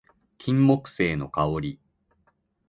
金木犀の香り